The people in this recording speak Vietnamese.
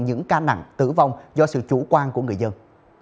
những ca nặng tử vong do sự chủ quan của người dân